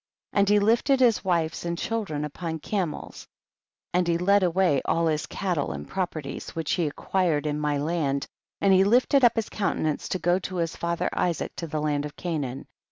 60. And he lifted his wives and children upon camels, and he led away all his cattle and properly 90 THE BOOK OF JASHER. which he acquired in my land, and he hfted up his countenance to go to his father Isaac to the land of Ca naan.